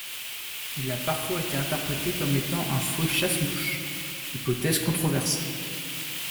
Il a parfois été interprété comme étant un fouet chasse-mouches, hypothèse controversée.